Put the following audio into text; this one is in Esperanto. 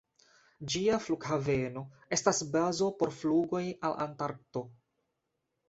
Ĝia flughaveno estas bazo por flugoj al Antarkto.